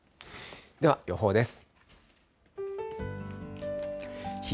では予報です。